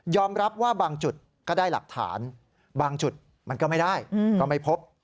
รับว่าบางจุดก็ได้หลักฐานบางจุดมันก็ไม่ได้ก็ไม่พบ